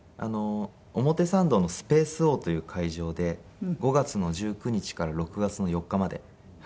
表参道のスペースオーという会場で５月の１９日から６月の４日までやらせて頂きます。